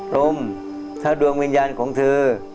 ลมถ้าดวงวิญญาณของเธอ